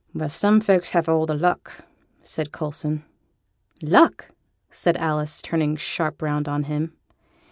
'Well! some folks has the luck!' said Coulson. 'Luck!' said Alice, turning sharp round on him.